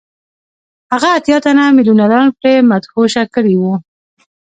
هغه اتیا تنه میلیونران پرې مدهوشه کړي وو